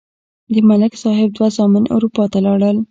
د ملک صاحب دوه زامن اروپا ته لاړل.